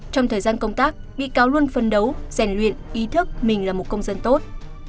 trong thời gian công tác bị cáo luôn phân đấu rèn luyện ý thức mình là một công dân tốt